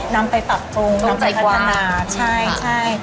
นำไปปรับปรุงนำไปพัฒณา